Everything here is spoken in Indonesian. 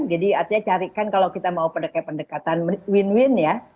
jadi artinya carikan kalau kita mau pendekatan win win ya